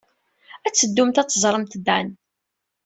Ad teddumt ad teẓremt Dan.